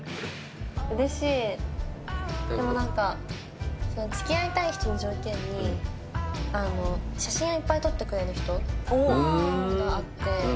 うれしいでも何か付き合いたい人の条件にあの「写真をいっぱい撮ってくれる人」があって。